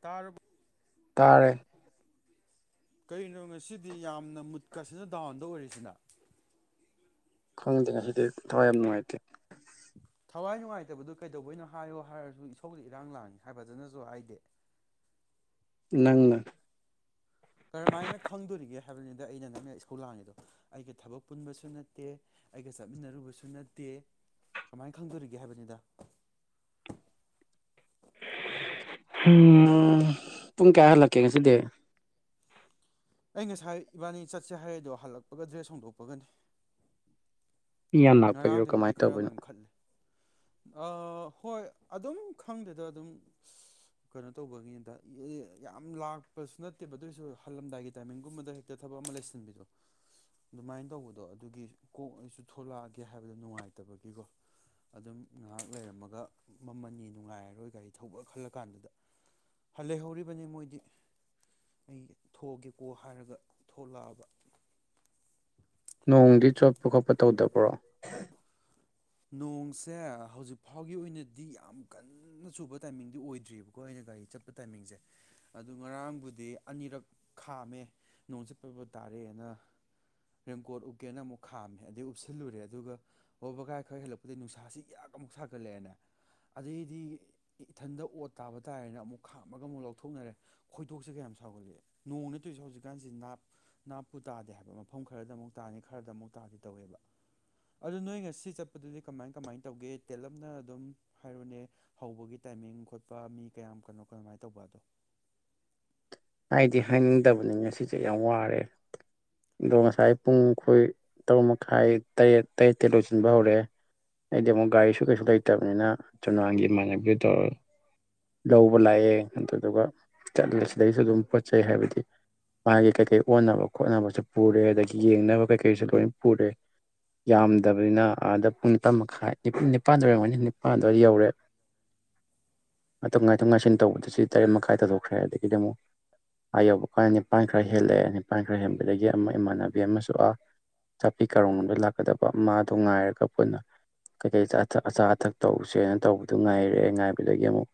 ꯇꯔꯨꯛ ꯇꯔꯦ ꯀꯔꯤꯅꯣ ꯉꯁꯤꯗꯤ ꯌꯥꯝꯅ ꯃꯨꯠꯀꯁꯤꯅ ꯗꯥꯎꯟꯗ ꯑꯣꯏꯔꯤꯁꯤꯅ ꯈꯪꯗꯦ ꯉꯁꯤꯗꯤ ꯊꯋꯥꯏ ꯌꯥꯝ ꯅꯨꯡꯉꯥꯏꯇꯦ ꯍꯋꯥꯏ ꯅꯨꯡꯉꯥꯏꯇꯕꯗꯨ ꯀꯩꯗꯧꯕꯩꯅꯣ ꯍꯥꯏꯌꯣ ꯍꯥꯏꯔꯁꯨ ꯏꯁꯧ ꯏꯔꯥꯡ ꯂꯥꯡ ꯍꯥꯏꯕꯗꯨꯅꯁꯨ ꯍꯥꯏꯗꯦ ꯅꯪꯅ ꯀꯔꯝꯍꯥꯏꯅ ꯈꯪꯗꯣꯔꯤꯒꯦ ꯍꯥꯏꯕꯅꯤꯗ ꯑꯩꯅ ꯅꯪꯅ ꯁ꯭ꯀꯨꯜ ꯂꯥꯡꯉꯤꯗꯣ ꯑꯩꯒ ꯊꯕꯛ ꯄꯨꯟꯕꯁꯨ ꯅꯠꯇꯦ ꯑꯩꯒ ꯆꯠꯃꯤꯟꯅꯔꯨꯕꯁꯨ ꯅꯠꯇꯦ ꯀꯃꯥꯏꯅ ꯈꯪꯗꯣꯔꯤꯒꯦ ꯍꯥꯏꯕꯅꯤꯗ ꯎꯝ ꯄꯨꯡ ꯀꯌꯥ ꯍꯜꯂꯛꯀꯦ ꯉꯁꯤꯗꯤ ꯑꯩ ꯉꯁꯥꯏ ꯏꯕꯥꯅꯤ ꯆꯠꯁꯦ ꯍꯥꯏꯗꯣ ꯍꯜꯂꯛꯄꯒ ꯗ꯭ꯔꯦꯁ ꯁꯧꯗꯣꯛꯄꯒꯅꯤ ꯏ ꯌꯥꯝ ꯂꯥꯛꯄꯒꯤꯔꯣ ꯀꯃꯥꯏꯅ ꯇꯧꯕꯅꯣ ꯍꯑ ꯍꯣꯏ ꯑꯗꯨꯝ ꯈꯪꯗꯦꯗ ꯑꯗꯨꯝ ꯀꯩꯅꯣ ꯇꯧꯕꯒꯤꯗ ꯌ ꯌꯥꯝ ꯂꯥꯛꯄꯁꯨ ꯅꯠꯇꯦꯕ ꯑꯗꯨꯑꯣꯏꯁꯨ ꯍꯜꯂꯝꯗꯥꯏꯒꯤ ꯇꯥꯏꯃꯤꯡꯒꯨꯝꯕꯗ ꯍꯦꯛꯇ ꯊꯕꯛ ꯑꯃ ꯂꯩꯁꯤꯟꯕꯤꯗꯣ ꯑꯗꯨꯃꯥꯏꯅ ꯇꯧꯕꯗꯣ ꯑꯗꯨꯒꯤ ꯀꯣꯛ ꯑꯩꯁꯨ ꯊꯣꯛꯂꯛꯑꯒꯦ ꯍꯥꯏꯕꯗꯣ ꯅꯨꯡꯉꯥꯏꯇꯕꯒꯤꯀꯣ ꯑꯗꯨꯝ ꯉꯥꯏꯍꯥꯛ ꯂꯩꯔꯝꯃꯒ ꯃꯃꯜꯅꯤ ꯅꯨꯡꯉꯥꯏꯔꯔꯣꯏ ꯒꯥꯔꯤ ꯊꯧꯕ ꯈꯜꯂ ꯀꯥꯟꯗꯨꯗ ꯂꯩꯍꯧꯔꯤꯕꯅꯤ ꯃꯣꯏꯗꯤ ꯑꯩ ꯊꯣꯛꯑꯒꯦꯀꯣ ꯍꯥꯏꯔꯒ ꯊꯣꯛꯂꯛꯑꯕ ꯅꯣꯡꯗꯤ ꯆꯣꯠꯄ ꯈꯣꯠꯄ ꯇꯧꯗꯕ꯭ꯔꯣ ꯅꯣꯡꯁꯦ ꯍꯧꯖꯤꯛ ꯐꯥꯎꯒꯤ ꯑꯣꯏꯅꯗꯤ ꯌꯥꯝ ꯀꯟꯅ ꯆꯨꯕ ꯇꯥꯏꯃꯤꯡꯗꯤ ꯑꯣꯏꯗ꯭ꯑꯔꯤꯕꯀꯣ ꯑꯩꯅ ꯒꯥꯔꯤ ꯆꯠꯄ ꯇꯥꯏꯃꯤꯡꯁꯦ ꯑꯗꯨ ꯉꯔꯥꯡꯕꯨꯗꯤ ꯑꯅꯤꯔꯛ ꯈꯥꯝꯃꯦ ꯅꯣꯡ ꯆꯠꯄꯕꯨ ꯇꯥꯔꯦꯅ ꯔꯦꯡꯀꯣꯠ ꯎꯞꯀꯦꯅ ꯑꯃꯨꯛ ꯈꯥꯝꯃꯦ ꯑꯗꯩ ꯎꯞꯁꯤꯜꯂꯨꯔꯦ ꯑꯗꯨꯒ ꯑꯣ ꯕꯒꯥꯏ ꯈꯔ ꯍꯦꯜꯂꯛꯄꯗꯒꯤ ꯅꯨꯡꯁꯥꯁꯤ ꯌꯥꯛ ꯑꯃꯨꯛ ꯁꯥꯒꯠꯂꯛꯑꯦꯅꯦ ꯑꯗꯩꯗꯤ ꯏꯊꯟꯗ ꯑꯣꯠ ꯇꯥꯕ ꯇꯥꯔꯦꯅ ꯑꯃꯨꯛ ꯈꯥꯝꯃꯒ ꯑꯃꯨꯛ ꯂꯧꯊꯣꯛꯅꯔꯦ ꯈꯣꯏꯗꯣꯁꯦ ꯀꯌꯥꯝ ꯁꯥꯎꯒꯠꯂꯦ ꯅꯣꯡꯅꯦ ꯇꯣꯏꯖꯤ ꯍꯧꯖꯤꯛꯀꯥꯟꯁꯤ ꯅꯥꯞ ꯅꯥꯞꯄꯨ ꯇꯥꯗꯦ ꯍꯥꯏꯕ ꯃꯐꯝ ꯈꯔꯗ ꯑꯃꯨꯛ ꯇꯥꯅꯤ ꯈꯔꯗ ꯑꯃꯨꯛ ꯇꯥꯗꯤ ꯇꯧꯋꯦꯕ ꯑꯗꯨꯗ ꯅꯣꯏ ꯉꯁꯤ ꯆꯠꯄ ꯑꯗꯨꯗꯤ ꯀꯃꯥꯏ ꯀꯃꯥꯏꯅ ꯇꯧꯒꯦ ꯇꯦꯜꯂꯞꯅ ꯑꯗꯨꯝ ꯍꯥꯏꯔꯨꯅꯦ ꯍꯧꯕꯒꯤ ꯇꯥꯏꯃꯤꯡ ꯈꯣꯠꯄ ꯃꯤ ꯀꯌꯥꯝ ꯀꯅꯣ ꯀꯃꯥꯏꯅ ꯇꯧꯕ ꯑꯗꯣ ꯑꯩꯗꯤ ꯍꯥꯏꯅꯤꯡꯗꯕꯅꯤ ꯉꯁꯤꯁꯦ ꯌꯥꯝ ꯋꯥꯔꯦ ꯑꯗꯣ ꯉꯁꯥꯏ ꯄꯨꯡ ꯈꯣꯏ ꯇꯔꯨꯛ ꯃꯈꯥꯏ ꯇꯔꯦꯠ ꯇꯔꯦꯠꯇꯩ ꯂꯣꯏꯁꯤꯟꯕ ꯍꯧꯔꯦ ꯑꯩꯗꯤ ꯑꯃꯨꯛ ꯒꯥꯔꯤꯁꯨ ꯀꯩꯁꯨ ꯂꯩꯇꯕꯅꯤꯅ ꯆꯨꯅꯥꯟꯒꯤ ꯏꯃꯥꯟꯅꯕꯤꯗꯨ ꯇꯧꯔꯦ ꯂꯧꯕ ꯂꯥꯛꯑꯦ ꯑꯗꯨꯗꯨꯒ ꯆꯠꯂꯦ ꯁꯤꯗꯩꯁꯨ ꯑꯗꯨꯝ ꯄꯣꯠ ꯆꯩꯩ ꯍꯥꯏꯕꯗꯤ ꯃꯥꯒꯤ ꯀꯩꯀꯩ ꯑꯣꯟꯅꯕ ꯈꯣꯠꯅꯕꯁꯨ ꯄꯨꯔꯦ ꯑꯗꯒꯤ ꯌꯦꯡꯅꯕ ꯀꯩꯀꯩꯁꯨ ꯂꯣꯏ ꯄꯨꯔꯦ ꯌꯥꯝꯗꯕꯅꯤꯅ ꯑꯥꯗ ꯄꯨꯡ ꯅꯤꯄꯥꯥꯟ ꯃꯈꯥꯏ ꯅꯤꯄꯥꯜ ꯑꯣꯏꯔꯝꯒꯅꯤ ꯅꯤꯄꯥꯜ ꯑꯗꯨꯋꯥꯏꯗ ꯌꯧꯔꯦ ꯃꯇꯝ ꯉꯥꯏꯊꯣꯛ ꯉꯥꯏꯁꯤꯟ ꯇꯧꯕꯗꯁꯤ ꯇꯔꯦꯠ ꯃꯈꯥꯏ ꯇꯥꯗꯣꯛꯈ꯭ꯔꯦ ꯑꯗꯨꯗꯒꯤꯗꯤ ꯑꯃꯨꯛ ꯑꯥ ꯌꯧꯕ ꯀꯥꯟꯗ ꯅꯤꯄꯥꯟ ꯈꯔ ꯍꯦꯜꯂꯛꯑꯦ ꯅꯤꯄꯥꯟ ꯈꯔ ꯍꯦꯟꯕꯗꯒꯤ ꯑꯃ ꯏꯃꯥꯟꯅꯕꯤ ꯑꯃꯁꯨ ꯑꯥ ꯆꯥꯄꯤ ꯀꯥꯔꯣꯡ ꯔꯣꯝꯗ ꯂꯥꯛꯀꯗꯕ ꯃꯥꯗꯣ ꯉꯥꯏꯔꯒ ꯄꯨꯟꯅ ꯀꯩꯀꯩ ꯆꯥꯊꯛ ꯑꯆꯥ ꯑꯊꯛ ꯇꯧꯁꯦꯅ ꯇꯧꯕꯗꯨ ꯉꯥꯏꯔꯛꯑꯦ ꯉꯥꯏꯕꯗꯒꯤ ꯑꯃꯨꯛ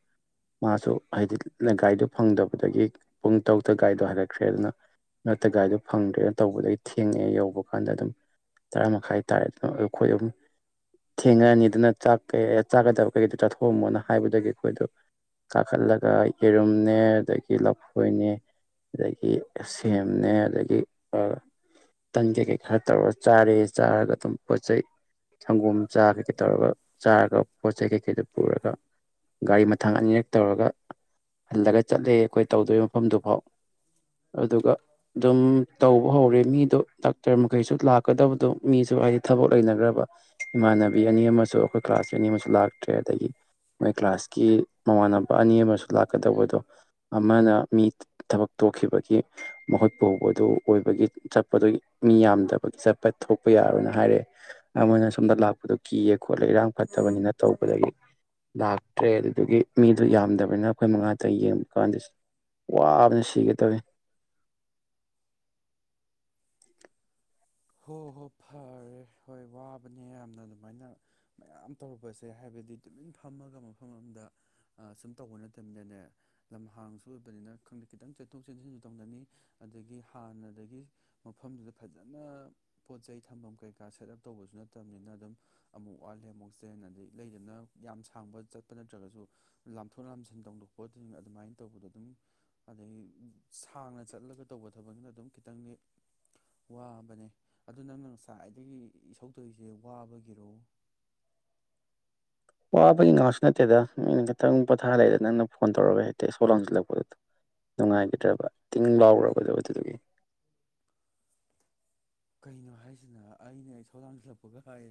ꯃꯥꯁꯨ ꯍꯥꯏꯗꯤ ꯒꯥꯔꯤꯗꯣ ꯐꯪꯗꯕꯗꯒꯤ ꯄꯨꯡ ꯇꯔꯨꯛꯇ ꯒꯥꯏꯗꯣ ꯍꯥꯏꯒꯠꯈ꯭ꯔꯦ ꯑꯗꯨꯅ ꯃꯔꯛꯇ ꯒꯥꯏꯗꯣ ꯐꯪꯗ꯭ꯔꯦꯅ ꯇꯧꯕꯗꯒꯤ ꯊꯦꯡꯉꯛꯑꯦ ꯌꯧꯕ ꯀꯥꯟꯗ ꯑꯗꯨꯝ ꯇꯔꯥ ꯃꯈꯥꯏ ꯇꯥꯔꯦ ꯑꯗꯨꯅ ꯑꯗꯨ ꯑꯩꯈꯣꯏ ꯑꯗꯨꯝ ꯊꯦꯡꯉꯛꯑꯅꯤ ꯑꯗꯨꯅꯥꯛ ꯆꯥꯀꯗꯕ ꯀꯩꯀꯩꯗꯣ ꯆꯥꯊꯣꯛꯑꯝꯃꯣꯅ ꯍꯥꯏꯕꯗꯒꯤ ꯑꯩꯈꯣꯏꯗꯣ ꯀꯥꯈꯠꯂꯒ ꯌꯦꯔꯨꯝꯅꯦ ꯑꯗꯒꯤ ꯂꯐꯣꯏꯅꯦ ꯑꯗꯒꯤ ꯁꯦꯝꯅꯦ ꯑꯗꯒꯤ ꯇꯟ ꯀꯩꯀꯩ ꯈꯔ ꯇꯧꯔ ꯆꯥꯔꯦ ꯆꯥꯔꯒ ꯑꯗꯨꯝ ꯄꯣꯠ ꯆꯩꯩ ꯁꯪꯒꯣꯝ ꯆꯥ ꯀꯩꯀꯩ ꯇꯧꯔꯒ ꯆꯥꯔꯒ ꯄꯣꯠ ꯆꯩꯩ ꯀꯩꯀꯩꯗꯨ ꯄꯨꯔꯒ ꯒꯥꯔꯤ ꯊꯥꯡ ꯑꯅꯤꯔꯛ ꯇꯧꯔꯒ ꯍꯜꯂꯒ ꯆꯠꯂꯦ ꯑꯩꯈꯣꯏ ꯇꯧꯗꯣꯏꯔꯤꯕ ꯃꯐꯝꯗꯨꯐꯥꯎ ꯑꯗꯨꯒ ꯑꯗꯨꯝ ꯇꯧꯕ ꯍꯧꯔꯦ ꯃꯤꯗꯣ ꯗꯥꯛꯇꯔ ꯃꯈꯩꯁꯨ ꯂꯥꯛꯀꯗꯕꯗꯣ ꯃꯤꯁꯨ ꯍꯥꯏꯗꯤ ꯊꯕꯛ ꯂꯩꯅꯈ꯭ꯔꯕ ꯏꯃꯥꯟꯅꯕꯤ ꯑꯅꯤ ꯑꯃꯁꯨ ꯑꯩꯈꯣꯏ ꯀ꯭ꯂꯥꯁꯀꯤ ꯑꯅꯤ ꯑꯃꯁꯨ ꯂꯥꯛꯇ꯭ꯔꯦ ꯑꯗꯒꯤ ꯃꯣꯏ ꯀ꯭ꯂꯥꯁꯀꯤ ꯃꯃꯥꯟꯅꯕ ꯑꯅꯤ ꯑꯃꯁꯨ ꯂꯥꯛꯀꯗꯧꯕꯗꯣ ꯑꯃꯅ ꯃꯤ ꯊꯕꯛ ꯇꯣꯛꯈꯤꯕꯒꯤ ꯃꯈꯨꯠ ꯄꯨꯕꯗꯨ ꯑꯣꯏꯕꯒꯤ ꯆꯠꯄꯗꯨꯒꯤ ꯃꯤ ꯌꯥꯝꯗꯕꯒꯤ ꯆꯠꯄ ꯊꯣꯛꯄ ꯌꯥꯔꯣꯏꯅ ꯍꯥꯏꯔꯦ ꯑꯃꯅ ꯁꯣꯝꯗ ꯂꯥꯛꯄꯗꯣ ꯀꯤꯌꯦ ꯈꯣꯠꯂꯦ ꯏꯔꯥꯡ ꯐꯠꯇꯕꯅꯤꯅ ꯇꯧꯕꯗꯒꯤ ꯂꯥꯛꯇ꯭ꯔꯦ ꯑꯗꯨꯗꯨꯒꯤ ꯃꯤꯗꯨꯣ ꯌꯥꯝꯗꯕꯅꯤꯅ ꯑꯩꯈꯣꯏ ꯃꯉꯥꯛꯇ ꯌꯦꯡꯕ ꯀꯥꯟꯗ ꯋꯥꯕꯅ ꯁꯤꯒꯦꯇꯧꯋꯦ ꯍꯣꯏ ꯍꯣꯏ ꯐꯔꯦ ꯍꯣꯏ ꯋꯥꯕꯅꯦ ꯌꯥꯝꯅ ꯑꯗꯨꯃꯥꯏꯅ ꯃꯌꯥꯝ ꯇꯧꯔꯨꯕꯁꯦ ꯍꯥꯏꯕꯗꯤ ꯇꯨꯃꯤꯟ ꯐꯝꯃꯒ ꯃꯐꯝ ꯑꯃꯗ ꯁꯨꯝ ꯇꯧꯕ ꯅꯠꯇꯕꯅꯤꯅꯦ ꯂꯝ ꯍꯥꯡꯁꯨ ꯑꯣꯏꯕꯅꯤꯅ ꯈꯪꯗꯦ ꯈꯤꯇꯪ ꯆꯦꯟꯊꯣꯛ ꯆꯦꯟꯁꯤꯟꯁꯨ ꯇꯧꯅꯅꯤ ꯑꯗꯒꯤ ꯍꯥꯟꯅꯗꯒꯤ ꯃꯐꯝꯗꯨꯗ ꯐꯖꯅ ꯄꯣꯠ ꯆꯩꯩ ꯊꯝꯐꯝ ꯀꯩꯀꯥ ꯁꯦꯠ ꯑꯞ ꯇꯧꯕꯁꯨ ꯅꯠꯇꯕꯅꯤꯅ ꯑꯗꯨꯝ ꯑꯃꯨꯛ ꯋꯥꯠꯂꯦ ꯑꯃꯨꯛ ꯆꯦꯟ ꯑꯗꯩ ꯂꯩꯗꯅ ꯌꯥꯝ ꯁꯥꯡꯕ ꯆꯠꯄ ꯅꯠꯇ꯭ꯔꯒꯁꯨ ꯂꯥꯝꯊꯣꯛ ꯂꯥꯝꯁꯤꯟ ꯇꯧꯗꯣꯛꯄ ꯑꯗꯨꯃꯥꯏꯅ ꯇꯧꯕꯗꯣ ꯑꯗꯨꯝ ꯑꯗꯩ ꯁꯥꯡꯅ ꯆꯠꯂꯒ ꯇꯧꯕ ꯊꯕꯛꯅꯤꯅ ꯑꯗꯨꯝ ꯈꯤꯇꯪꯗꯤ ꯋꯥꯕꯅꯦ ꯑꯗꯨ ꯅꯪꯅ ꯉꯁꯥꯏꯗꯒꯤ ꯏꯁꯧ ꯇꯧꯏꯁꯦ ꯋꯥꯕꯒꯤꯔꯣ ꯋꯥꯕꯒꯤ ꯉꯍꯥꯛꯁꯨ ꯅꯠꯇꯦꯗ ꯃꯤꯅ ꯈꯤꯇꯪ ꯄꯣꯊꯥꯂꯩꯗ ꯅꯪꯅ ꯐꯣꯟ ꯇꯧꯔꯒ ꯍꯦꯛꯇ ꯏꯁꯧ ꯂꯥꯡꯁꯤꯜꯂꯛꯄꯗꯣ ꯅꯨꯡꯉꯥꯏꯕꯤꯗ꯭ꯔꯕ ꯇꯤꯡ ꯂꯥꯎꯔꯨꯔꯕꯗꯣ ꯑꯗꯨꯗꯨꯒꯤ ꯀꯩꯅꯣ ꯍꯥꯏꯁꯤꯅ ꯑꯩꯅ ꯏꯁꯧ ꯂꯥꯡꯁꯤꯜꯂꯛꯄꯒ ꯍꯥꯏꯌꯦ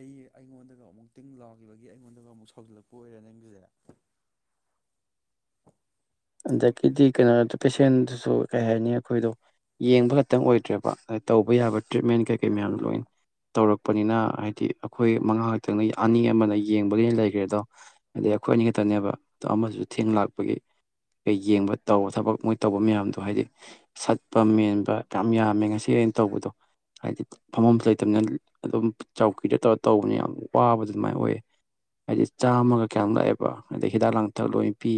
ꯑꯩ ꯑꯩꯉꯣꯟꯗꯒ ꯑꯃꯨꯛ ꯇꯤꯡ ꯂꯥꯎꯈꯤꯕꯒꯤ ꯑꯩꯉꯣꯟꯗꯒ ꯑꯃꯨꯛ ꯁꯧꯎꯖꯤꯜꯂꯛꯄ ꯑꯣꯏꯔꯦ ꯅꯪꯒꯤꯖꯦ ꯑꯗꯒꯤꯗꯤ ꯀꯩꯅꯣꯗ ꯄꯦꯁꯦꯟꯗꯨꯁꯨ ꯀꯩ ꯍꯥꯏꯅꯤ ꯑꯩꯈꯣꯏꯗꯣ ꯌꯦꯡꯕ ꯈꯛꯇꯪ ꯑꯣꯏꯗ꯭ꯔꯦꯕ ꯇꯧꯕ ꯌꯥꯕ ꯇ꯭ꯔꯤꯠꯃꯦꯟ ꯀꯩꯀꯩ ꯃꯌꯥꯗꯣ ꯂꯣꯏ ꯇꯧꯔꯛꯄꯅꯤꯅ ꯍꯥꯏꯗꯤ ꯑꯩꯈꯣꯏ ꯃꯉꯥ ꯈꯛꯇꯪꯅ ꯑꯅꯤ ꯑꯃꯅ ꯌꯦꯡꯕꯒꯤ ꯂꯩꯈ꯭ꯔꯦ ꯑꯗꯣ ꯑꯗꯩ ꯑꯩꯈꯣꯏ ꯑꯅꯤ ꯈꯛꯇꯅꯦꯕ ꯑꯗꯣ ꯑꯃꯁꯨ ꯊꯦꯡ ꯂꯥꯛꯄꯒꯤ ꯀꯩ ꯌꯦꯡꯕ ꯇꯧꯕ ꯊꯕꯛ ꯃꯣꯏ ꯇꯧꯕ ꯃꯌꯥꯝꯗꯣ ꯍꯥꯏꯗꯤ ꯁꯠꯄ ꯃꯦꯟꯕ ꯌꯥꯝ ꯌꯥꯝꯃꯦ ꯉꯁꯤ ꯑꯩꯅ ꯇꯧꯕꯗꯣ ꯍꯥꯏꯗꯤ ꯐꯃꯐꯝꯁꯨ ꯂꯩꯇꯝꯅꯤꯅ ꯑꯗꯨꯝ ꯆꯧꯀ꯭ꯔꯤꯗ ꯇꯧꯔ ꯇꯧꯕꯅ ꯌꯥꯝ ꯋꯥꯕꯗꯣ ꯑꯗꯨꯃꯥꯏꯅ ꯑꯣꯏꯌꯦ ꯍꯥꯏꯗꯤ ꯆꯥꯝꯃꯒ ꯀꯌꯥꯅꯣꯝ ꯂꯥꯛꯑꯦꯕ ꯍꯥꯏꯗꯤ ꯍꯤꯗꯥꯛ ꯂꯥꯡꯊꯛ ꯂꯣꯏꯅ ꯄꯤ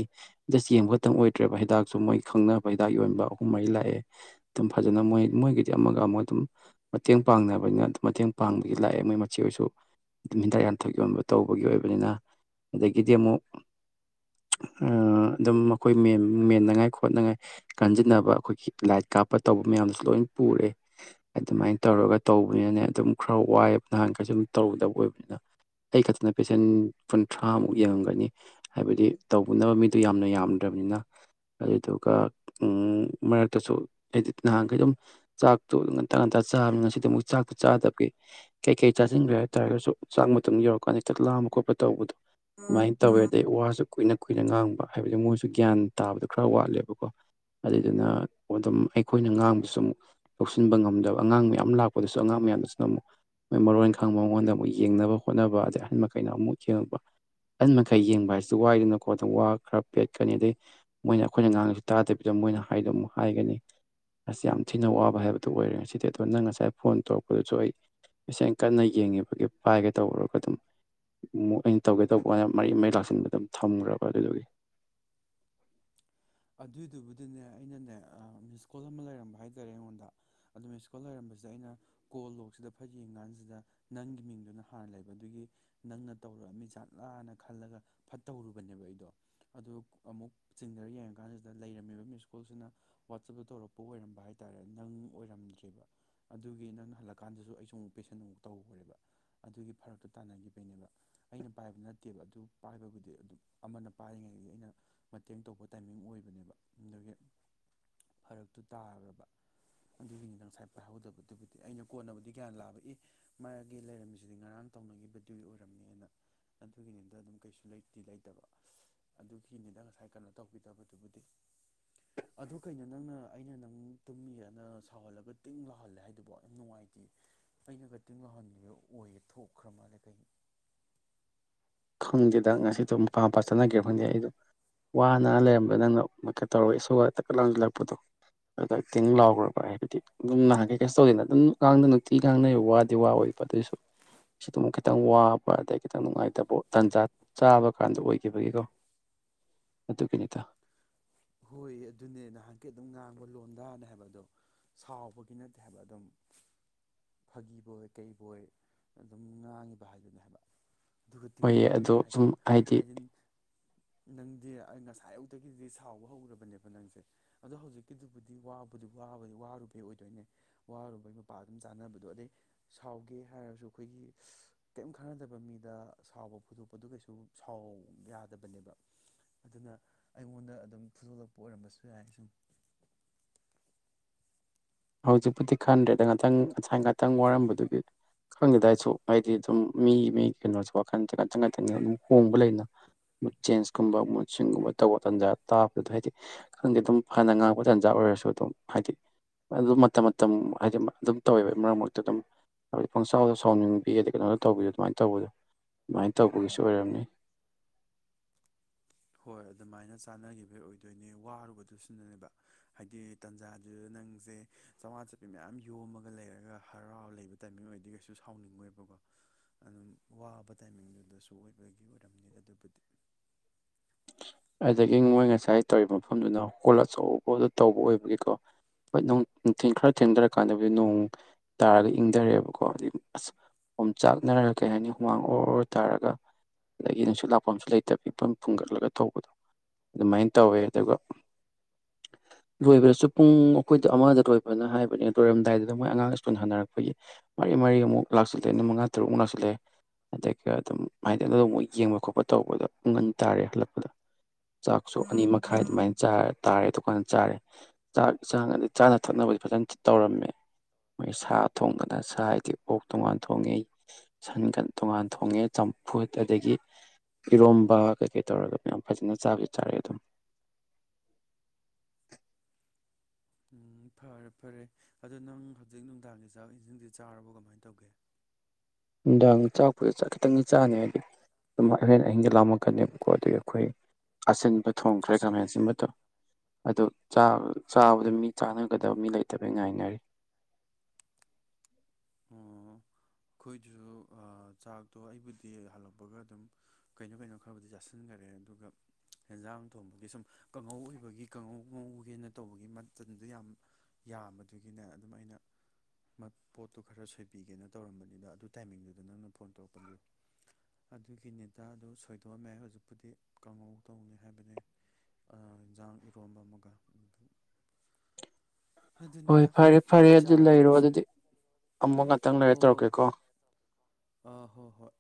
ꯖꯁ ꯌꯦꯡꯕ ꯈꯤꯇꯪ ꯑꯣꯏꯗ꯭ꯔꯦꯕ ꯍꯤꯗꯥꯛꯁꯨ ꯃꯣꯏ ꯈꯪꯅꯕ ꯍꯤꯗꯥꯛ ꯌꯣꯟꯕ ꯑꯍꯨꯝ ꯃꯔꯤ ꯂꯥꯛꯑꯦ ꯑꯗꯨꯝ ꯐꯖꯅ ꯃꯣꯏ ꯃꯣꯏꯒꯤꯗꯤ ꯑꯃꯒ ꯑꯃꯒ ꯑꯗꯨꯝ ꯃꯇꯦꯡ ꯄꯥꯡꯅꯕꯅꯤꯅ ꯑꯗꯨꯝ ꯃꯇꯦꯡ ꯄꯥꯡꯕꯒꯤ ꯂꯥꯛꯑꯦ ꯃꯣꯏ ꯃꯆꯦ ꯑꯣꯏꯁꯨ ꯑꯗꯨꯝ ꯍꯤꯗꯥꯛ ꯂꯥꯡꯊꯛ ꯌꯣꯟꯕ ꯇꯧꯕꯒꯤ ꯑꯣꯏꯕꯅꯤꯅ ꯑꯗꯒꯤꯗꯤ ꯑꯃꯨꯛ ꯑꯗꯨꯝ ꯑꯩꯈꯣꯏ ꯃ ꯃꯦꯟꯅꯉꯥꯏ ꯈꯣꯠꯅꯉꯥꯏ ꯀꯟꯖꯤꯟꯅꯕ ꯑꯩꯈꯣꯏꯒꯤ ꯂꯥꯏꯠ ꯀꯥꯞꯄ ꯇꯧꯕ ꯃꯌꯥꯝꯗꯨꯁꯨ ꯂꯣꯏ ꯄꯨꯔꯦ ꯑꯗꯨꯃꯥꯏꯅ ꯇꯧꯔꯒ ꯇꯧꯕꯅꯤꯅꯅꯦ ꯑꯗꯨꯝ ꯈꯔ ꯋꯥꯏꯌꯦꯕ ꯅꯍꯥꯟꯒꯩꯁꯨꯨꯝ ꯇꯧꯗꯕ ꯑꯣꯏꯕꯅꯤꯅ ꯑꯩ ꯈꯛꯇꯅ ꯄꯦꯁꯦꯟ ꯀꯨꯟꯊ꯭ꯔꯥꯃꯨꯛ ꯌꯦꯡꯉꯝꯒꯅꯤ ꯍꯥꯏꯕꯗꯤ ꯇꯧꯕꯅꯕ ꯃꯤꯗꯨꯣ ꯌꯥꯝꯅ ꯌꯥꯝ ꯅꯤꯅ ꯑꯗꯨꯗꯨꯒ ꯃꯔꯛꯇꯁꯨ ꯍꯥꯏꯗꯤ ꯅꯍꯥꯟꯈꯩ ꯑꯗꯨꯝ ꯆꯥꯛꯇꯣ ꯉꯟꯇꯥ ꯉꯟꯇꯥ ꯆꯥꯕꯅꯤ ꯉꯁꯤꯗ ꯆꯥꯛꯇ ꯆꯥꯗꯕꯒꯤ ꯀꯩ ꯀꯩ ꯆꯥꯁꯤꯟꯈ꯭ꯔꯦ ꯍꯥꯏꯕ ꯇꯥꯔꯒꯁꯨ ꯆꯥꯛ ꯃꯇꯨꯡꯗ ꯌꯧꯔꯛꯀꯥꯟꯗ ꯆꯥꯛ ꯂꯥꯝꯕ ꯈꯣꯠꯄ ꯇꯧꯕꯗꯣ ꯑꯗꯨꯃꯥꯏꯅ ꯇꯧꯋꯦ ꯑꯗꯩ ꯋꯥꯁꯨ ꯀꯨꯏꯅ ꯀꯨꯏꯅ ꯉꯥꯡꯕ ꯍꯥꯏꯕꯗꯤ ꯃꯣꯏꯁꯨ ꯒ꯭ꯌꯥꯟ ꯇꯥꯕꯗꯣ ꯈꯔ ꯋꯥꯠꯂꯦꯕꯀꯣ ꯑꯗꯨꯏꯗꯨꯅ ꯑꯗꯨꯝ ꯑꯩꯈꯣꯏꯅ ꯉꯥꯡꯕꯁꯨ ꯑꯃꯨꯛ ꯂꯧꯁꯤꯟꯕ ꯉꯝꯗꯕ ꯑꯉꯥꯡ ꯃꯌꯥꯝ ꯂꯥꯛꯄꯗꯨꯁꯨ ꯑꯉꯥꯡ ꯃꯌꯥꯝꯗꯨꯁꯨꯅ ꯑꯃꯨꯛ ꯃꯣꯏ ꯃꯔꯣꯟ ꯈꯪꯕ ꯃꯉꯣꯟꯗ ꯑꯃꯨꯛ ꯌꯦꯡꯅꯕ ꯍꯣꯠꯅꯕ ꯑꯗꯩ ꯑꯍꯟ ꯃꯈꯩꯅ ꯑꯃꯨꯛ ꯌꯦꯡꯉꯛꯄ ꯑꯍꯟ ꯃꯈꯩ ꯌꯦꯡꯕ ꯍꯥꯏꯁꯤ ꯋꯥꯏꯗꯅꯀꯣ ꯋꯥ ꯈꯔ ꯄꯦꯠ ꯆꯠꯀꯅꯤ ꯑꯗꯩ ꯃꯣꯏꯅ ꯑꯩꯈꯣꯏꯅ ꯉꯥꯡꯉꯤꯁꯤ ꯇꯥꯗꯕꯤꯗ ꯃꯣꯏꯅ ꯍꯥꯏꯗꯣ ꯑꯃꯨꯛ ꯍꯥꯏꯒꯅꯤ ꯑꯁ ꯌꯥꯝ ꯊꯤꯅ ꯋꯥꯕ ꯍꯥꯏꯕꯗꯣ ꯑꯣꯏꯔꯦ ꯉꯁꯤꯗꯤ ꯑꯗꯣ ꯅꯪ ꯉꯁꯥꯏ ꯐꯣꯟ ꯇꯧꯔꯛꯄꯗꯨꯁꯨ ꯑꯩ ꯏꯁꯦꯡ ꯀꯟꯅ ꯌꯦꯡꯉꯤꯕꯒꯤ ꯄꯥꯏꯒꯦ ꯇꯧꯔꯨꯔꯕ ꯑꯗꯨꯝ ꯑꯃꯨꯛ ꯑꯩꯅ ꯇꯧꯒꯦ ꯇꯧꯕꯀꯥꯟꯗ ꯃꯔꯤ ꯃꯔꯤ ꯂꯥꯛꯁꯤꯟꯕ ꯑꯗꯨꯝ ꯊꯝꯈ꯭ꯔꯕ ꯑꯗꯨꯗꯨꯒꯤ ꯑꯗꯨꯏꯗꯨꯕꯨꯗꯤꯅꯦ ꯑꯩꯅꯅꯦ ꯃꯤꯁꯀꯣꯜ ꯑꯃ ꯂꯩꯔꯝꯕ ꯍꯥꯏꯇꯥꯔꯦ ꯑꯩꯉꯣꯟꯗ ꯑꯗꯣ ꯃꯤꯁꯀꯣꯜ ꯂꯩꯔꯝꯕꯁꯦ ꯑꯩꯅ ꯀꯣ ꯂꯣꯛꯁꯤꯗ ꯐꯠ ꯌꯦꯡ ꯀꯥꯟꯁꯤꯗ ꯅꯪꯒꯤ ꯃꯤꯡꯗꯨꯅ ꯍꯥꯟꯅ ꯂꯩꯕ ꯑꯗꯨꯒꯤ ꯅꯪꯅ ꯇꯧꯔꯛꯑꯝꯃꯤ ꯖꯥꯠꯂꯥꯅ ꯈꯜꯂꯒ ꯐꯠꯇꯧꯔꯨꯕꯅꯦꯕ ꯑꯩꯗꯣ ꯑꯗꯨ ꯑꯃꯨꯛ ꯆꯤꯡꯊꯔ ꯌꯦꯡ ꯀꯥꯟꯁꯤꯗ ꯂꯩꯔꯝꯃꯤꯕ ꯃꯤꯁꯀꯣꯜꯁꯤꯅ ꯋꯥꯆꯞꯇ ꯇꯧꯔꯛꯄ ꯑꯣꯏꯔꯝꯕ ꯍꯥꯏꯇꯥꯥꯔꯦ ꯅꯪ ꯑꯣꯏꯔꯝꯗ꯭ꯔꯦꯕ ꯑꯗꯨꯒꯤ ꯅꯪꯅ ꯍꯜꯂꯛꯀꯥꯟꯗꯁꯨ ꯑꯩꯁꯨ ꯑꯃꯨꯛ ꯄꯦꯁꯟ ꯑꯃꯨꯛ ꯇꯧꯈ꯭ꯔꯦꯕ ꯑꯗꯨꯒꯤ ꯐꯔꯛꯇꯣ ꯇꯥꯟꯅꯈꯤꯕꯩꯅꯦꯕ ꯑꯩꯅ ꯄꯥꯏꯕ ꯅꯠꯇꯦꯕ ꯑꯗꯨ ꯄꯥꯏꯕꯕꯨꯗꯤ ꯑꯗꯨ ꯑꯃꯅ ꯄꯥꯏꯔꯤꯉꯩꯒꯤ ꯑꯩꯅ ꯃꯇꯦꯡ ꯇꯧꯕ ꯇꯥꯏꯃꯤꯡ ꯑꯣꯏꯕꯅꯦꯕ ꯑꯗꯨꯒꯤ ꯐꯔꯛꯇꯨ ꯇꯥꯒ꯭ꯔꯕ ꯑꯗꯨꯒꯤꯅꯤꯗ ꯉꯁꯥꯏ ꯄꯥꯏꯍꯧꯗꯕꯗꯨꯕꯨꯗꯤ ꯑꯩꯅ ꯀꯣꯟꯕꯨꯗꯤ ꯒ꯭ꯌꯥꯟ ꯂꯥꯛꯑꯕ ꯏ ꯃꯥꯒꯤ ꯂꯩꯔꯝꯃꯤꯁꯤꯗꯤ ꯉꯔꯥꯡ ꯇꯧꯅꯒꯤꯕꯗꯨꯒꯤ ꯑꯣꯏꯔꯝꯅꯦꯅ ꯑꯗꯨꯒꯤꯅꯤꯗ ꯑꯗꯨꯝ ꯀꯩꯁꯨ ꯂꯩꯇꯤ ꯂꯩꯇꯕ ꯑꯗꯨꯒꯤꯅꯤꯗ ꯉꯁꯥꯏ ꯀꯩꯅꯣ ꯇꯧꯕꯤꯗꯕꯗꯨꯕꯨꯗꯤ ꯑꯗꯨ ꯀꯩꯅꯣ ꯅꯪꯅ ꯑꯩꯅ ꯅꯪ ꯇꯨꯝꯃꯤꯔꯅ ꯁꯥꯎꯍꯜꯂꯒ ꯇꯤꯡ ꯂꯥꯎꯍꯜꯂꯦ ꯍꯥꯏꯗꯨꯕꯣ ꯌꯥꯝ ꯅꯨꯡꯉꯥꯏꯇꯦ ꯑꯩꯅꯒ ꯇꯤꯡ ꯂꯥꯎꯍꯟꯕꯤꯕ ꯑꯣꯏꯌꯦ ꯊꯣꯛꯈ꯭ꯔ ꯃꯥꯜꯂꯦ ꯀꯩꯅꯣ ꯈꯪꯗꯦꯗꯪ ꯉꯁꯤꯗꯣ ꯃꯄꯥ ꯃꯄꯥ ꯆꯠꯅꯒꯦ ꯈꯪꯗꯦ ꯑꯩꯗꯣ ꯋꯥꯅ ꯂꯩꯔꯝꯕ ꯅꯪꯅ ꯃꯨꯠꯀ ꯇꯧꯔꯒ ꯏꯁꯧꯒ ꯇꯛꯀ ꯂꯪꯁꯤꯜꯂꯛꯄꯗꯣ ꯑꯗꯨꯗ ꯇꯤꯡ ꯂꯥꯎꯈ꯭ꯔꯕ ꯍꯥꯏꯕꯗꯤ ꯑꯗꯨꯝ ꯅꯍꯥꯟꯒꯩ ꯀꯩꯁꯨ ꯇꯧꯗꯦꯅ ꯑꯗꯨꯝ ꯉꯥꯡꯗ ꯅꯨꯡꯇꯤ ꯉꯥꯡꯅ ꯋꯥꯗꯤ ꯋꯥ ꯑꯣꯏꯕ ꯑꯗꯨꯏꯁꯨ ꯁꯤꯗꯨꯝ ꯈꯤꯇꯪ ꯋꯥꯕ ꯑꯗꯩ ꯈꯤꯇꯪ ꯅꯨꯡꯉꯥꯏꯇꯕ ꯇꯟꯖꯥ ꯆꯥꯕ ꯀꯥꯟꯗ ꯑꯣꯏꯈꯤꯕꯒꯤꯀꯣ ꯑꯗꯨꯒꯤꯅꯤꯗ ꯍꯣꯏ ꯑꯗꯨꯅꯦ ꯅꯍꯥꯟꯀꯩ ꯑꯗꯨꯝ ꯉꯥꯡꯕ ꯂꯣꯟꯗꯥꯅꯦ ꯍꯥꯏꯕ ꯑꯗꯣ ꯁꯥꯎꯕꯒꯤ ꯅꯠꯇꯦ ꯍꯥꯏꯕ ꯑꯗꯨꯝ ꯐꯥꯒꯤꯕꯣꯏ ꯀꯩꯕꯣꯏ ꯑꯗꯨꯝ ꯉꯥꯡꯉꯤꯕ ꯍꯥꯏꯗꯨꯅꯦ ꯍꯥꯏꯕ ꯑꯗꯨꯒ ꯇꯤꯡ ꯍꯣꯏꯌꯦ ꯑꯗꯣ ꯂꯥꯎꯍꯜꯂꯤꯒ ꯍꯥꯏ ꯍꯥꯏꯕ ꯁꯨꯝ ꯍꯥꯏꯗꯤ ꯑꯩꯗꯤ ꯅꯪꯗꯤ ꯑꯩ ꯉꯁꯥꯏꯌꯨꯛꯇꯒꯤꯗꯤ ꯁꯥꯎꯕ ꯍꯧꯒ꯭ꯔꯕꯅꯦꯕ ꯅꯪꯁꯦ ꯑꯗꯣ ꯍꯧꯖꯤꯛꯀꯤꯗꯨꯕꯨꯗꯤ ꯋꯥꯕꯨꯗꯤꯕ ꯋꯥꯕ ꯋꯥꯔꯨꯕꯩ ꯑꯣꯏꯗꯣꯏꯅꯦ ꯋꯥꯔꯨꯕꯩ ꯃꯄꯥ ꯑꯗꯨꯝ ꯆꯥꯟꯅꯕꯗꯣ ꯑꯗꯩ ꯁꯥꯎꯒꯦ ꯍꯥꯏꯔꯁꯨ ꯑꯩꯈꯣꯏꯒꯤ ꯀꯔꯤꯝ ꯈꯪꯟꯅꯗꯕ ꯃꯤꯗ ꯁꯥꯎꯕ ꯐꯨꯗꯣꯛꯄꯗꯨ ꯀꯩꯁꯨ ꯁꯥꯎ ꯌꯥꯗꯕꯅꯦꯕ ꯑꯗꯨꯅ ꯑꯩꯉꯣꯟꯗ ꯑꯗꯨꯝ ꯐꯨꯗꯣꯛꯂꯛ ꯑꯣꯏꯔꯝꯕꯁꯨ ꯌꯥꯏ ꯁꯨꯝ ꯍꯧꯖꯤꯛꯄꯨꯗꯤ ꯈꯟꯗ꯭ꯔꯦꯗ ꯉꯥꯛꯇꯪ ꯉꯁꯥꯏ ꯉꯥꯛꯇꯪ ꯋꯥꯔꯝꯕꯗꯨꯒꯤ ꯈꯪꯗꯦꯗ ꯑꯩꯁꯨ ꯍꯥꯏꯗꯤ ꯑꯗꯨꯝ ꯃꯤ ꯃꯤ ꯀꯩꯅꯣꯁꯦ ꯋꯥꯈꯜꯁꯦ ꯉꯥꯛꯇꯪ ꯉꯥꯛꯇꯪ ꯑꯗꯨꯝ ꯍꯣꯡꯕ ꯂꯩꯅ ꯃꯨꯠ ꯆꯦꯟꯁꯀꯨꯝꯕ ꯃꯨꯠꯁ꯭ꯋꯤꯡꯒꯨꯝꯕ ꯇꯧꯕ ꯇꯥꯟꯖꯥ ꯇꯥꯕꯗꯨꯗ ꯍꯥꯏꯗꯤ ꯈꯪꯗꯦ ꯑꯗꯨꯝ ꯐꯅ ꯉꯥꯡꯕ ꯇꯥꯟꯖꯥ ꯑꯣꯏꯔꯁꯨ ꯑꯗꯨꯝ ꯍꯥꯏꯗꯤ ꯑꯗꯨ ꯃꯇꯝ ꯃꯇꯝ ꯍꯥꯏꯗꯤ ꯑꯗꯨꯝ ꯇꯧꯋꯦꯕ ꯃꯔꯛ ꯃꯔꯛꯇ ꯑꯗꯨꯝ ꯍꯥꯏꯕꯗꯤ ꯄꯪꯁꯥꯎꯗ ꯁꯥꯎꯅꯤꯡꯕꯤ ꯑꯗ ꯀꯩꯅꯣꯗ ꯇꯧꯕꯤ ꯑꯗꯨꯃꯥꯏꯅ ꯇꯧꯕꯗꯣ ꯑꯗꯨꯃꯥꯏꯅ ꯇꯧꯕꯒꯤꯁꯨ ꯑꯣꯏꯔꯝꯅꯤ ꯍꯣꯏ ꯑꯗꯨꯃꯥꯏꯅ ꯆꯥꯅꯒꯤꯕꯩ ꯑꯣꯏꯗꯣꯏꯅꯦ ꯋꯥꯔꯨꯕꯗꯨꯁꯨꯅꯅꯦꯕ ꯍꯥꯏꯗꯤ ꯇꯥꯟꯖꯥꯗꯨꯗ ꯅꯪꯁꯦ ꯆꯝꯃꯉꯥ ꯆꯄꯤ ꯃꯌꯥꯝ ꯌꯣꯝꯃꯒ ꯂꯩꯔꯒ ꯍꯔꯥꯎ ꯂꯩꯕ ꯇꯥꯏꯃꯤꯡ ꯑꯣꯏꯗꯤ ꯀꯩꯁꯨ ꯁꯥꯎꯅꯤꯡꯉꯣꯏꯕꯀꯣ ꯑꯗꯨꯝ ꯋꯥꯕ ꯇꯥꯏꯃꯤꯡꯗꯨꯗꯁꯨ ꯑꯣꯏꯕꯒꯤ ꯑꯣꯏꯔꯝꯅꯤꯗ ꯑꯗꯨꯕꯨꯗꯤ ꯑꯗꯒꯤ ꯃꯣꯏ ꯉꯁꯥꯏ ꯇꯧꯔꯤꯕ ꯃꯐꯝꯗꯨꯅ ꯍꯣꯜ ꯑꯆꯧꯕꯗ ꯇꯧꯕ ꯑꯣꯏꯕꯒꯤꯀꯣ ꯍꯣꯏ ꯅꯨꯡꯊꯤꯟ ꯈꯔ ꯊꯦꯡꯊꯔꯀꯥꯟꯗꯕꯨꯗꯤ ꯅꯣꯡ ꯇꯥꯔꯒ ꯏꯪꯊꯔꯦꯕꯀꯣ ꯑꯗꯩ ꯑꯁ ꯑꯣꯝ ꯆꯥꯛꯅꯔꯒ ꯀꯩ ꯍꯥꯏꯅꯤ ꯍꯨꯃꯥꯡ ꯑꯣꯔ ꯑꯣꯔ ꯇꯥꯔꯒ ꯑꯗꯒꯤ ꯅꯨꯡꯁꯤꯠ ꯂꯥꯛꯐꯝꯁꯨ ꯂꯩꯇꯕ ꯏꯐꯨꯟ ꯐꯨꯡꯒꯠꯂꯒ ꯇꯧꯕꯗꯣ ꯑꯗꯨꯃꯥꯏꯅ ꯇꯧꯋꯦ ꯑꯗꯨꯒ ꯂꯣꯏꯕꯗꯁꯨ ꯄꯨꯡ ꯑꯩꯈꯣꯏꯗ ꯑꯃꯗ ꯂꯣꯏꯕꯅ ꯍꯥꯏꯕꯅꯤ ꯂꯣꯏꯔꯝꯗꯥꯏꯗꯨꯗ ꯃꯣꯏ ꯑꯉꯥꯡ ꯁ꯭ꯀꯨꯜ ꯍꯥꯟꯅꯔꯛꯄꯒꯤ ꯃꯔꯤ ꯃꯔꯤ ꯑꯃꯨꯛ ꯂꯥꯛꯁꯤꯜꯂꯛꯑꯦ ꯑꯗꯨꯃꯤ ꯃꯉꯥ ꯇꯔꯨꯛꯃꯨꯛ ꯂꯥꯛꯆꯜꯂꯛꯑꯦ ꯑꯗꯒꯤ ꯑꯗꯨꯝ ꯍꯥꯏꯗꯤ ꯑꯃꯨꯛ ꯌꯦꯡꯕ ꯈꯣꯠꯄ ꯇꯧꯕꯗ ꯄꯨꯡ ꯑꯅꯤ ꯇꯥꯔꯦ ꯍꯜꯂꯛꯄ ꯆꯥꯛꯁꯨ ꯑꯅꯤ ꯃꯈꯥꯏ ꯑꯗꯨꯃꯥꯏꯅ ꯆꯥꯔ ꯇꯥꯔꯦ ꯗꯨꯀꯥꯟꯗ ꯆꯥꯔꯦ ꯆꯥꯛ ꯆꯥꯡꯉꯗꯤ ꯆꯥꯅ ꯊꯛꯅꯕꯗꯤ ꯐꯖꯅ ꯇꯧꯔꯝꯃꯦ ꯃꯣꯏ ꯁꯥ ꯊꯣꯡꯗꯅ ꯁꯥ ꯍꯥꯏꯗꯤ ꯑꯣꯛ ꯇꯣꯡꯉꯥꯟ ꯊꯣꯡꯉꯦ ꯁꯟꯒꯟ ꯇꯣꯉꯥꯟ ꯊꯣꯡꯉꯦ ꯆꯝꯐꯨꯠ ꯑꯗꯒꯤ ꯏꯔꯣꯝꯕ ꯀꯩꯀꯩ ꯇꯧꯔꯒ ꯌꯥꯝ ꯐꯖꯅ ꯆꯥꯕꯨꯗꯤ ꯆꯥꯔꯑꯦ ꯑꯗꯨꯝ ꯎꯝ ꯐꯔꯦ ꯐꯔꯦ ꯑꯗꯣ ꯅꯪ ꯍꯧꯖꯤꯛ ꯅꯨꯡꯗꯥꯡꯒꯤ ꯆꯥꯛ ꯏꯟꯁꯤꯡꯗꯤ ꯆꯥꯔꯕꯣ ꯀꯃꯥꯏ ꯇꯧꯒꯦ ꯅꯨꯡꯗꯥꯡ ꯆꯥꯛꯄꯨꯗꯤ ꯆꯥ ꯈꯤꯇꯪꯗꯤ ꯆꯥꯅꯤ ꯍꯥꯏꯗꯤ ꯑꯗꯨꯝ ꯍꯣꯔꯦꯟ ꯑꯍꯤꯡꯗ ꯂꯥꯝꯃꯛꯀꯅꯦꯕꯀꯣ ꯑꯗꯨꯒꯤ ꯑꯩꯈꯣꯏ ꯑꯁꯤꯟꯕ ꯊꯣꯡꯈ꯭ꯔꯦ ꯑꯁꯟ ꯈꯥꯃꯦꯟ ꯑꯁꯤꯟꯕ ꯑꯗꯨ ꯆꯥꯕꯗ ꯃꯤ ꯆꯥꯅꯒꯗꯕ ꯃꯤ ꯂꯩꯇꯕꯩ ꯉꯥꯏꯅꯔꯤ ꯑꯣ ꯑꯩꯈꯣꯏꯗꯨꯁꯨ ꯑ ꯆꯥꯛꯇꯣ ꯑꯩꯕꯨꯗꯤ ꯍꯜꯂꯛꯄꯒ ꯑꯗꯨꯝ ꯀꯩꯅꯣ ꯀꯩꯅꯣ ꯈꯔꯕꯨꯗꯤ ꯆꯥꯁꯤꯟꯒꯔꯦ ꯑꯗꯨꯒ ꯑꯦꯟꯖꯥꯡ ꯊꯣꯡꯕꯒꯤ ꯁꯨꯝ ꯀꯥꯡꯉꯧ ꯑꯣꯏꯕꯒꯤ ꯀꯥꯡꯉꯧ ꯉꯧꯒꯦꯅ ꯇꯧꯕꯒꯤ ꯃꯆꯜꯖꯦ ꯌꯥꯝ ꯌꯥꯝꯕꯗꯨꯒꯤꯅꯦ ꯑꯗꯨꯝ ꯑꯩꯅ ꯃꯄꯣꯠ ꯇꯣ ꯈꯔ ꯁꯣꯏꯕꯤꯒꯦꯅ ꯇꯧꯔꯝꯕꯅꯤꯗ ꯑꯗꯨ ꯇꯥꯏꯃꯤꯡꯗꯨꯗ ꯅꯪꯅ ꯐꯣꯟ ꯇꯧꯔꯛꯄꯅꯤꯗꯣ ꯑꯗꯨꯒꯤꯅꯦꯗꯥꯗꯣ ꯁꯣꯏꯗꯣꯛꯑꯝꯃꯦ ꯍꯧꯖꯤꯛꯄꯨꯗꯤ ꯀꯥꯡꯍꯧ ꯇꯧꯅꯤ ꯍꯥꯏꯕꯅꯦ ꯑ ꯏꯟꯖꯥꯡ ꯏꯔꯣꯝꯕ ꯑꯃꯒ ꯍꯣꯏ ꯑꯗꯨꯅꯤꯗ ꯐꯔꯦ ꯐꯔꯦ ꯑꯗꯨ ꯆꯥꯗ꯭ꯔꯦ ꯂꯩꯔꯣ ꯑꯩꯁꯨ ꯑꯗꯨꯗꯤ ꯑꯃꯨꯛ ꯉꯥꯛꯇꯪ ꯂꯩꯔ ꯇꯧꯔꯛꯀꯦꯀꯣ ꯑ ꯍꯣꯏ ꯍꯣꯏ